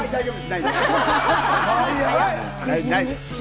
ないです。